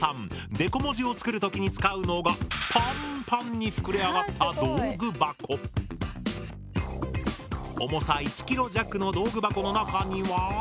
デコ文字を作る時に使うのがパンパンに膨れ上がった重さ１キロ弱の道具箱の中には。